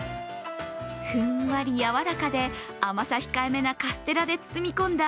ふんわり柔らかで甘さ控えめなカステラで包み込んだ